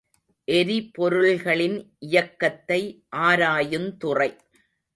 எரிபொருள்களின் இயக்கத்தை ஆராயுந் துறை.